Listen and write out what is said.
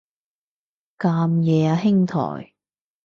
咁夜啊兄台